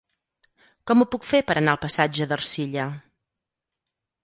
Com ho puc fer per anar al passatge d'Ercilla?